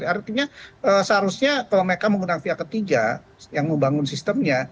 artinya seharusnya kalau mereka menggunakan via ketiga yang membangun sistemnya